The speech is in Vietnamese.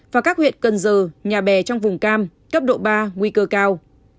và các huyện cần giờ nhà bè trong vùng cam cấp độ ba nguy cơ cao